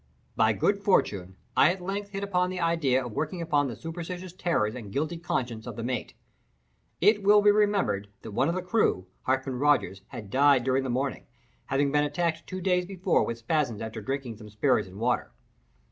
By good fortune I at length hit upon the idea of working upon the superstitious terrors and guilty conscience of the mate. It will be remembered that one of the crew, Hartman Rogers, had died during the morning, having been attacked two days before with spasms after drinking some spirits and water.